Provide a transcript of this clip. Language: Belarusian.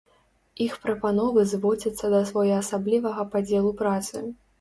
Іх прапановы зводзяцца да своеасаблівага падзелу працы.